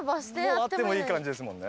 あってもいい感じですもんね。